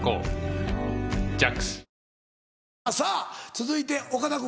続いて岡田君。